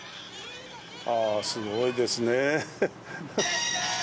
あー、すごいですねー。